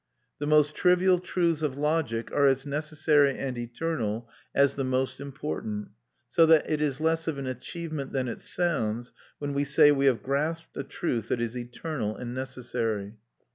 The most trivial truths of logic are as necessary and eternal as the most important; so that it is less of an achievement than it sounds when we say we have grasped a truth that is eternal and necessary.